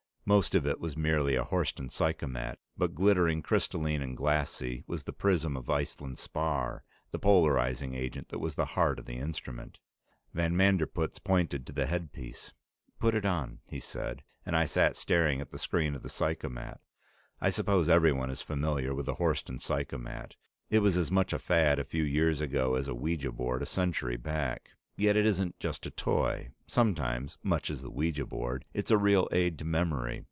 Most of it was merely a Horsten psychomat, but glittering crystalline and glassy was the prism of Iceland spar, the polarizing agent that was the heart of the instrument. Van Manderpootz pointed to the headpiece. "Put it on," he said, and I sat staring at the screen of the psychomat. I suppose everyone is familiar with the Horsten psychomat; it was as much a fad a few years ago as the ouija board a century back. Yet it isn't just a toy; sometimes, much as the ouija board, it's a real aid to memory.